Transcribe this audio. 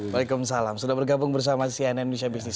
terima kasih sudah bergabung bersama cnn indonesia business